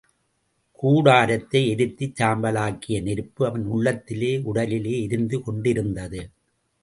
கூடாரத்தை எரித்துச் சாம்பலாக்கிய நெருப்பு அவன் உள்ளத்திலே, உடலிலே எரிந்து கொண்டிருந்தது.